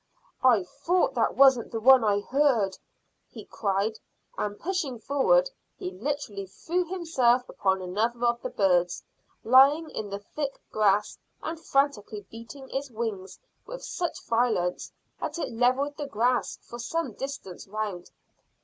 "I thought that wasn't the one I heard," he cried, and pushing forward he literally threw himself upon another of the birds, lying in the thick grass and frantically beating its wings with such violence that it levelled the grass for some distance round.